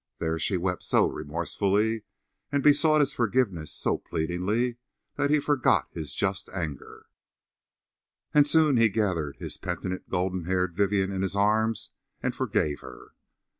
There she wept so remorsefully and besought his forgiveness so pleadingly that he forgot his just anger, and soon he gathered his penitent golden haired Vivien in his arms and forgave her.